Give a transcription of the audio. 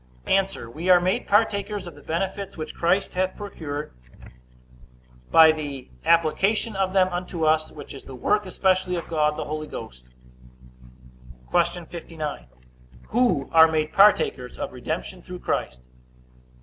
A. We are made partakers of the benefits which Christ hath procured, by the application of them unto us, which is the work especially of God the Holy Ghost. Q. 59. Who are made partakers of redemption through Christ?